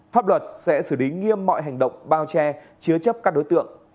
pháp luật sẽ xử lý nghiêm mọi hành động bao che chứa chấp các đối tượng